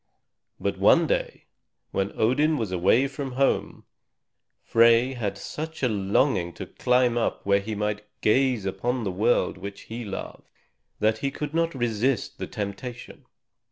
But one day, when Odin was away from home, Frey had such a longing to climb up where he might gaze upon all the world which he loved, that he could not resist the temptation.